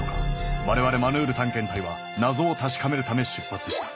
我々マヌール探検隊は謎を確かめるため出発した。